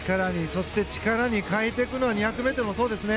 そして力に変えていくのは２００もそうですね。